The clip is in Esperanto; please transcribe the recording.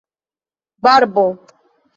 barbo